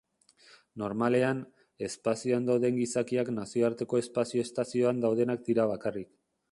Normalean, espazioan dauden gizakiak Nazioarteko Espazio Estazioan daudenak dira bakarrik.